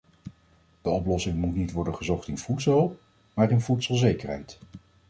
De oplossing moet niet worden gezocht in voedselhulp, maar in voedselzekerheid.